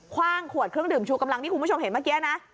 ว่างขวดเครื่องดื่มชูกำลังที่คุณผู้ชมเห็นเมื่อกี้นะ